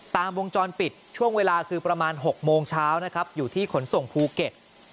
ตามวงจรปิดช่วงเวลาคือประมาณ๖โมงเช้านะครับอยู่ที่ขนส่งภูเก็ต